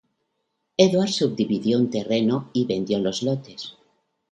Edwards subdividió un terreno y vendió los lotes.